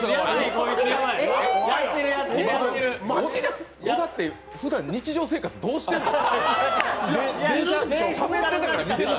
小田ってふだん日常生活どうしてんの？